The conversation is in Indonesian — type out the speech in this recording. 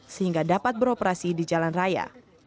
sehingga dapat beroperasi di jalan raya